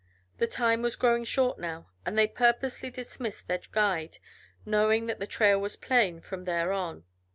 The time was growing short now, and they purposely dismissed their guide, knowing that the trail was plain from there on.